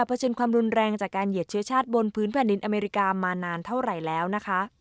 เฉินความรุนแรงจากการเหยียดเชื้อชาติบนพื้นแผ่นดินอเมริกามานานเท่าไหร่แล้วนะคะ